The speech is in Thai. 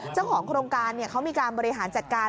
เจ้าของโครงการเขามีการบริหารจัดการ